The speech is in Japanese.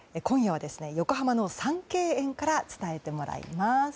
今夜は横浜の三溪園から伝えてもらいます。